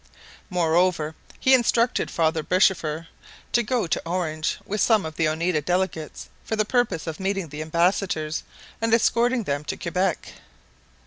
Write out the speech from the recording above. Moreover, he instructed Father Beschefer to go to Orange with some of the Oneida delegates for the purpose of meeting the ambassadors and escorting them to Quebec.